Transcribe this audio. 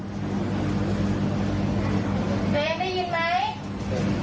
เจ๊ได้ยินไหม